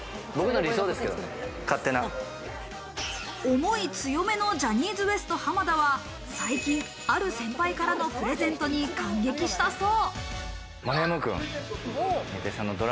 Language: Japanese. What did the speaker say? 思い強めのジャニーズＷＥＳＴ・濱田は最近、ある先輩からのプレゼントに感激したそう。